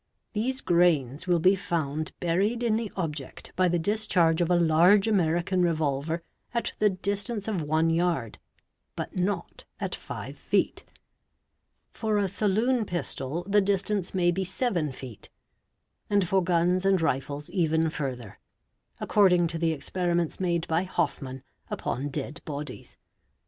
These grains will be found buried in the object by the discharge of a large American revol ver at the distance of one yard, but not at five feet; for a saloon pistol the distance may be seven feet; and for guns and rifles even further, according to the experiments made by Hofmann upon dead bodies.